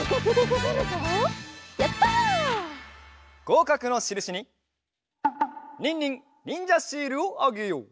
ごうかくのしるしにニンニンにんじゃシールをあげよう。